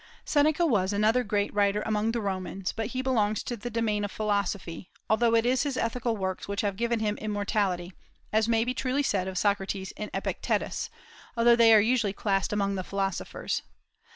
Seneca was another great writer among the Romans, but he belongs to the domain of philosophy, although it is his ethical works which have given him immortality, as may be truly said of Socrates and Epictetus, although they are usually classed among the philosophers.